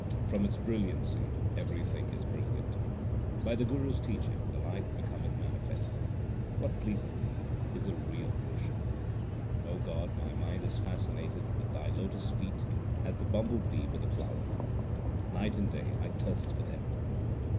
From its brilliancy everything is brilliant ; By the Guru s teaching the light becometh manifest. What pleaseth Thee is the real worship. O God, my mind is fascinated with Thy lotus feet as the bumble bee with the flower : night and day I thirst for them.